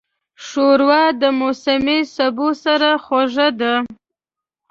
ښوروا د موسمي سبو سره خوږه ده.